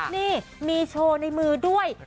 นี่มีโชว์ในมือด้วย